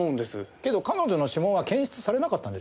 けど彼女の指紋は検出されなかったんでしょ？